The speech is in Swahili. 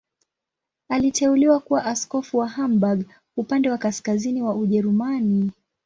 Aliteuliwa kuwa askofu wa Hamburg, upande wa kaskazini wa Ujerumani.